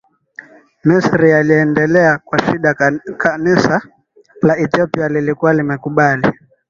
Misri yaliendelea kwa shida Kanisa la Ethiopia lilikuwa limekubali